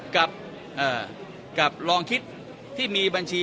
กับลองคิดที่มีบัญชี